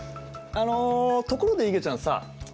あのところでいげちゃんさ